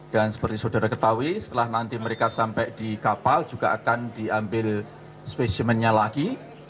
dan seperti saudara ketahui setelah nanti mereka sampai di kapal juga akan diambil spesimennya lagi